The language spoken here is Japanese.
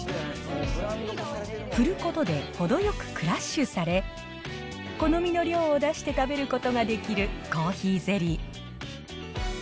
振ることで程よくクラッシュされ、好みの量を出して食べることができるコーヒーゼリー。